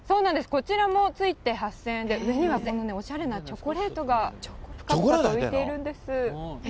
こちらもついて８０００円で、上にはこれ、おしゃれなチョコレートがぷかぷか浮いてるんです。